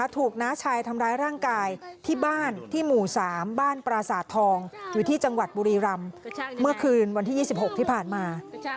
น้าชายทำร้ายร่างกายที่บ้านที่หมู่๓บ้านปราสาททองอยู่ที่จังหวัดบุรีรำเมื่อคืนวันที่๒๖ที่ผ่านมา